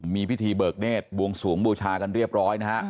มีพิธีเบิกเนธบวงสวงบูชากันเรียบร้อยนะฮะ